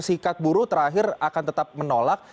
sikat buruh terakhir akan tetap menolak